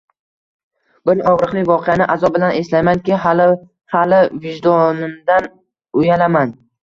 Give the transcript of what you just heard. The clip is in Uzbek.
Bir og'riqli voqeani azob bilan eslaymanki, xali xali vijdonimdan uyalaman